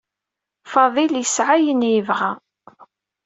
Fadil yesɛa ayen ay yebɣa.